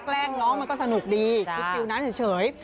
แกล้งน้องมันก็สนุกดีคิดฟิลนั้นเฉย